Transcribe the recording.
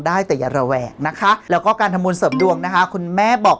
ได้แต่อย่าระแหกนะคะแล้วก็การทำบุญเสริมดวงนะคะคุณแม่บอก